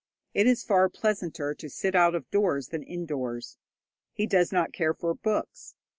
It is far pleasanter to sit out of doors than indoors. He does not care for books.